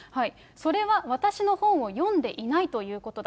それは私の本を読んでいないということだ。